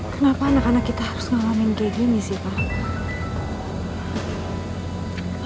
kenapa anak anak kita harus ngalamin kayak gini sih pak